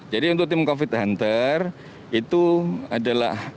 jadi untuk tim covid hunter itu adalah